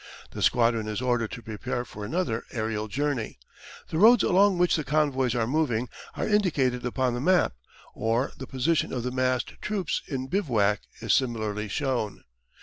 The squadron is ordered to prepare for another aerial journey. The roads along which the convoys are moving are indicated upon the map, or the position of the massed troops in bivouac is similarly shown.